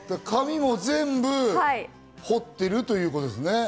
紙も全部彫っているということですね。